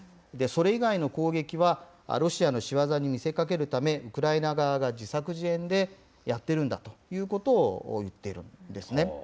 それ以外の攻撃は、ロシアの仕業に見せかけるため、ウクライナ側が自作自演でやってるんだということを言っているんですね。